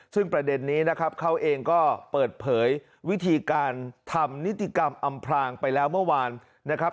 ซึ่งประเด็นนี้นะครับเขาเองก็เปิดเผยวิธีการทำนิติกรรมอำพลางไปแล้วเมื่อวานนะครับ